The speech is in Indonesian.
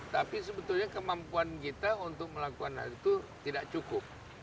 tapi sebetulnya kemampuan kita untuk melakukan hal itu tidak cukup